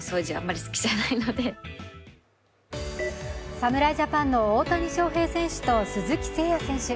侍ジャパンの大谷翔平選手と鈴木誠也選手。